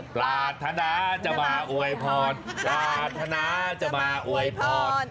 ปรารถนาจะมาอวยพรปรารถนาจะมาอวยพร